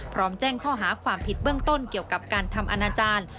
พร้อมแจ้งข้อหาความผิดเบื้องต้นเกี่ยวกับการทำอนาจารย์